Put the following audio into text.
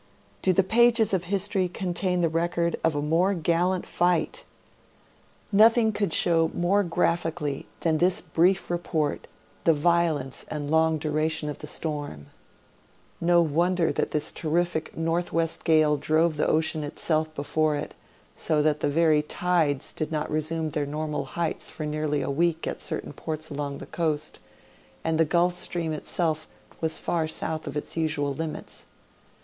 Do the pages of history contain the record of a more gallant fight ! Nothing could show more graphically than this brief report, the violence and long duration of the storm. No wonder that this terrific northwest gale drove the ocean itself before it, so that the very tides did not resume their normal heights for nearly a week at certain ports along the coast, and the Gulf Stream itself Avas far south of its usual limits.